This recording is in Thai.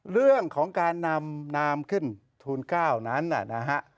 เรื่องของการนำนามขึ้นทูล๙นั้นนะฮะ